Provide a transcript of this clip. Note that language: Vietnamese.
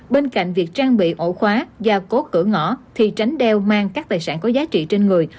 bên cạnh việc trang bị ổ khóa gia cố cửa ngõ thì tránh đeo mang các tài sản có giá trị trên người